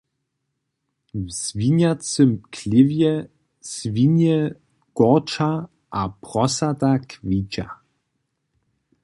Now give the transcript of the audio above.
W swinjacym chlěwje swinje korča a prosata kwiča.